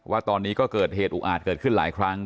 ว่าตอนนี้ก็เกิดเหตุอุอาจเกิดขึ้นหลายครั้ง